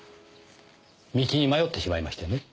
道に迷ってしまいましてね。